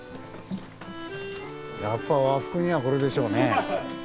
やっぱ和服にはこれでしょうね。